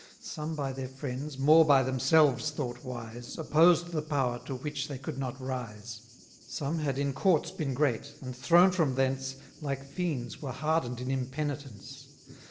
Some by their friends, more by themselves thought wise, Opposed the power to which they could not rise. Some had in courts been great, and, thrown from thence, Like fiends were harden'd in impenitence.